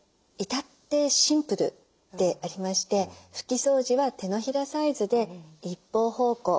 至ってシンプルでありまして拭き掃除は手のひらサイズで一方方向。